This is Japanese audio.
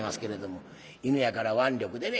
犬やから腕力でね。